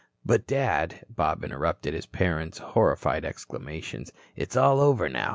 "But, Dad," Bob interrupted his parent's horrified exclamations, "it's all over now.